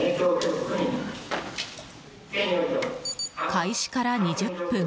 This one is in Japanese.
開始から２０分